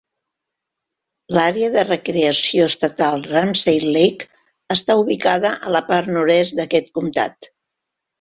L'àrea de recreació estatal Ramsey Lake està ubicada a la part nord-oest d'aquest comtat.